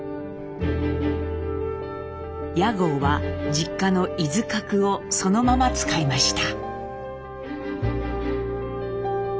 屋号は実家の「いずかく」をそのまま使いました。